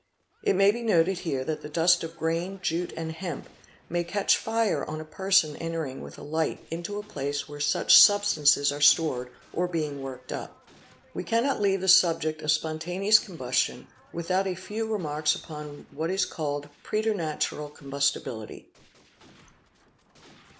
It may be noted here that the dust of grain, jute, and hemp may catch fire on a person entering with a light into a place where such substances are stored, or being worked up 0, We cannot leave the subject of spontaneous combustion without a few — PRETERNATURAL COMBUSTIBILITY 857 remarks upon what is called preternatural combustibility.